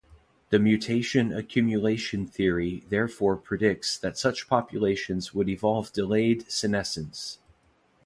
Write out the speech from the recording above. The mutation accumulation theory therefore predicts that such populations would evolve delayed senescence.